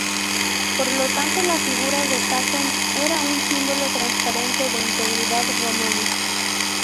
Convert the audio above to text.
Por lo tanto, la figura de Catón era un símbolo transparente de integridad romana.